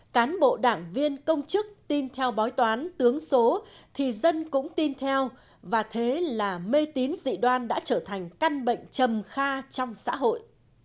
cán bộ đảng viên công chức tin theo bói toán tướng số thì dân cũng tin theo và thế là mê tín dị đoan đã trở thành căn bệnh trầm kha trong xã hội